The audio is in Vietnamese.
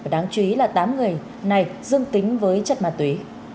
đáng chú ý là tám người này dương tính với chất ma túy